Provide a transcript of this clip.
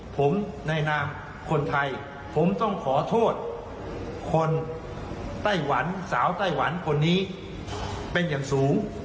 ผมในนามคนไทยผมต้องขอโทษคนไต้หวันสาวไต้หวันคนนี้เป็นอย่างสูง